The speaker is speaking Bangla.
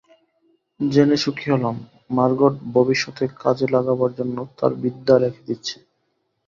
জেনে সুখী হলাম, মার্গট ভবিষ্যতে কাজে লাগাবার জন্য তার বিদ্যা রেখে দিচ্ছে।